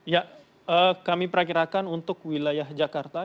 ya kami perakirakan untuk wilayah jakarta